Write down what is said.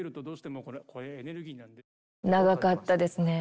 長かったですね。